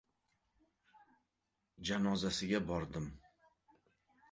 Janozasiga bordim.